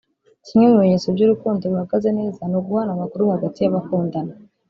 Kimwe mu bimenyetso by’urukundo ruhagaze neza ni uguhana amakuru hagati y’abakundana